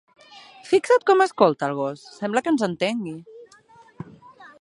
Fixa't com escolta el gos: sembla que ens entengui.